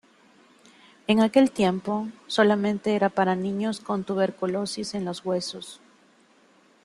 En aquel tiempo, solamente era para niños con tuberculosis en los huesos.